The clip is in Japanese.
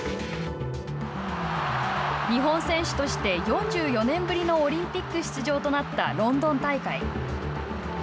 日本選手として４４年ぶりのオリンピック出場となったロンドン大会。